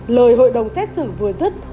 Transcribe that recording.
lời hội đồng xét xử vừa dứt